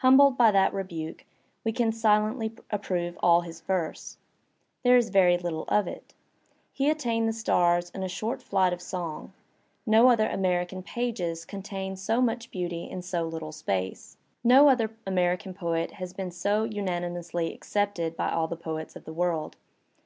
Humbled by that rebuke, we can silently approve all his verse. There is veiy Uttle of it; he attained the stars on a short flight of ! song; no other American pages contain so much beauty in so ^ little space. No other American poet has been so unani mously accepted by all the poets of the world.